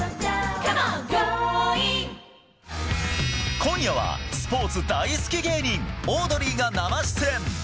今夜は、スポーツ大好き芸人、オードリーが生出演。